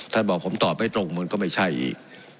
ท่านบอกผมตอบให้ตรงมันก็ไม่ใช่อีก